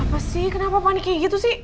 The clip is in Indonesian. apa sih kenapa panik kayak gitu sih